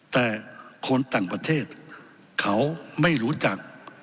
แต่คนต่างประเทศเขาไม่รู้จัก